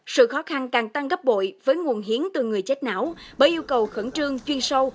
sự khó khăn càng tăng gấp bội với nguồn hiến từ người chết não bởi yêu cầu khẩn trương chuyên sâu